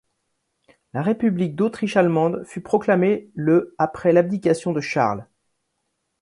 La République d'Autriche allemande fut proclamée le après l'abdication de Charles.